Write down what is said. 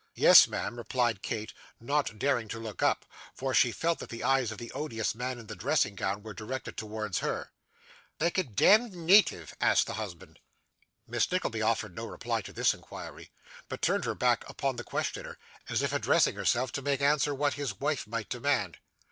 'Yes, ma'am,' replied Kate, not daring to look up; for she felt that the eyes of the odious man in the dressing gown were directed towards her. 'Like a demd native?' asked the husband. Miss Nickleby offered no reply to this inquiry, but turned her back upon the questioner, as if addressing herself to make answer to what his wife might demand.